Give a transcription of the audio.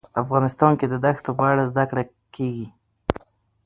افغانستان کې د دښتو په اړه زده کړه کېږي.